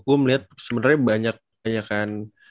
gue melihat sebenarnya banyak banyakan